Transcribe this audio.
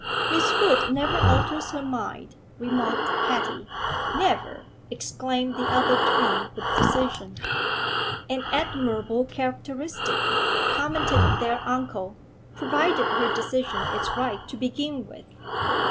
'Miss Hood never alters her mind,' remarked Patty. 'Never,' exclaimed the other twin with decision. 'An admirable characteristic,' commented their uncle, 'provided her decision is right to begin with.'